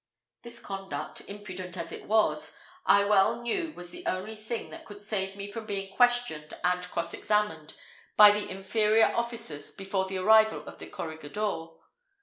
This conduct, impudent as it was, I well knew was the only thing that could save me from being questioned and cross examined by the inferior officers before the arrival of the corregidor.